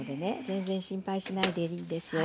全然心配しないでいいですよ。